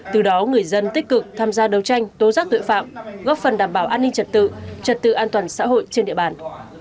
từ đó người dân tích cực tham gia đấu tranh tố giác tội phạm góp phần đảm bảo an ninh trật tự trật tự an toàn xã hội trên địa bàn